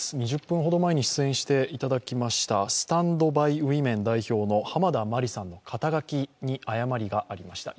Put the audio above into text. ２０分ほど前に出演していただきました、ＳｔａｎｄｂｙＷｏｍｅｎ代表の浜田真里さんの肩書に誤りがありました。